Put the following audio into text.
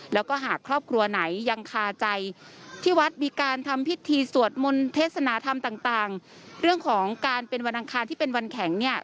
แล้วก็หากครอบครัวไหนยังคาใจที่วัดมีการทำพิธีสวดมนต์เทศนาธรรมต่างเรื่องของการเป็นวันอังคารที่เป็นวันแข็งเนี่ย